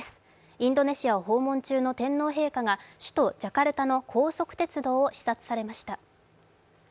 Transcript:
インドネシアを訪問中の天皇陛下が首都ジャカルタの高速鉄道を視察されました。